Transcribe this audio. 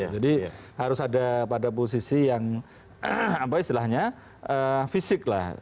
jadi harus ada pada posisi yang fisik lah